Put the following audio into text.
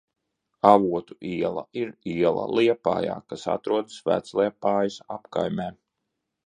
Avotu iela ir iela Liepājā, kas atrodas Vecliepājas apkaimē.